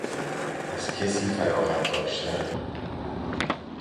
از کسی فراغت داشتن